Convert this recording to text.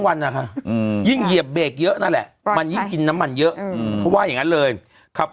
วันนี้ก็ช้าอยู่แล้วเนอะ